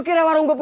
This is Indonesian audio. kenapa lagi bob